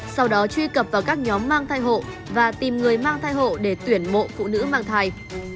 sau đó truy cập vào các nhóm mang thai hộ và tìm người mang thai hộ để tuyển mộ phụ nữ mang thai